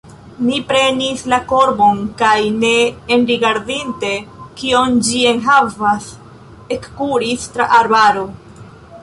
Mi prenis la korbon kaj ne enrigardinte, kion ĝi enhavas, ekkuris tra arbaro.